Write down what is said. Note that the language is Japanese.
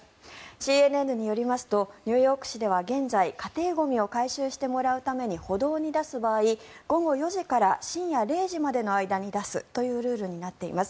ＣＮＮによりますとニューヨーク市では現在家庭ゴミを回収してもらうために歩道に出す場合午後４時から深夜０時までの間に出すというルールになっています。